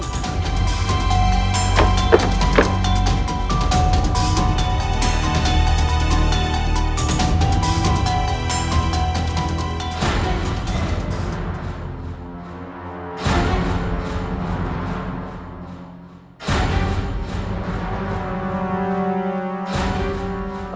saya ini keeper